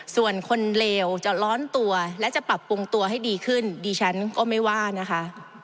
ส่วนคนเลวจะร้อนตัวและจะปรับปรุงตัวให้ดีขึ้นดิฉันก็ไม่ว่านะคะ